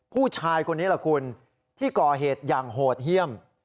ผู้ชายคนนี้แหละคุณที่ก่อเหตุอย่างโหดเยี่ยม